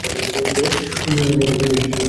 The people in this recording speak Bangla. দূরেই তো নিয়ে গেল, সে কি আপনি দেখতে পাচ্ছেন না?